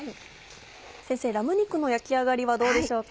先生ラム肉の焼き上がりはどうでしょうか？